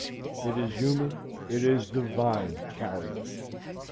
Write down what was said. It is human, it is divine, carrion.